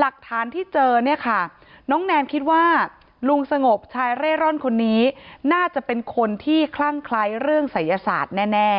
หลักฐานที่เจอเนี่ยค่ะน้องแนนคิดว่าลุงสงบชายเร่ร่อนคนนี้น่าจะเป็นคนที่คลั่งคล้ายเรื่องศัยศาสตร์แน่